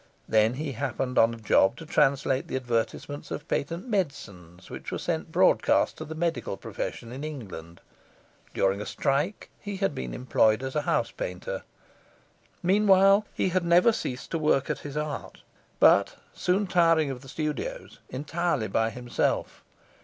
Then he happened on a job to translate the advertisements of patent medicines which were sent broadcast to the medical profession in England. During a strike he had been employed as a house painter. Meanwhile he had never ceased to work at his art; but, soon tiring of the studios, entirely by himself.